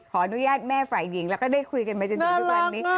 ขอนุญาตแม่ฝ่ายหญิงและก็ได้คุยกันตลอดทีบันนี้